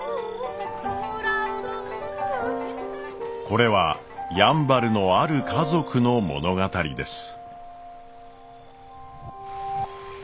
これはやんばるのある家族の物語です。